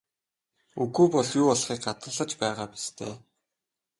Үгүй бол юу болохыг гадарлаж байгаа биз дээ?